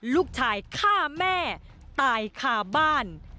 ลูกชายฆ่าแม่ตายคาบ้าน